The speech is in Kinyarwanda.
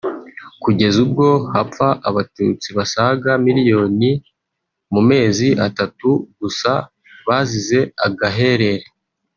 kugeza ubwo hapfa Abatutsi basaga miliyoni mu mezi atatu gusa bazize agaherere